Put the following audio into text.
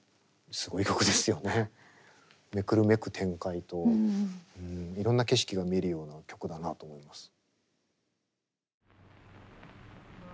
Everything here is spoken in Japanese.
目くるめく展開といろんな景色が見えるような曲だなと思います。